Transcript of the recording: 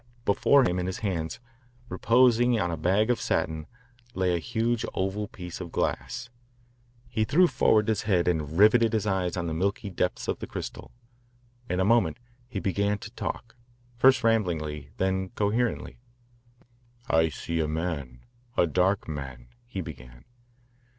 Before him, in his hands, reposing on a bag of satin, lay a huge oval piece of glass. He threw forward his head and riveted his eyes on the milky depths of the crystal. In a moment he began to talk, first ramblingly, then coherently. "I see a man, a dark man," he began.